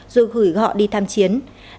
rồi gửi họ đi tham chiến